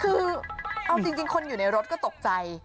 คือเอาจริงคนอยู่ในรถก็ตกใจ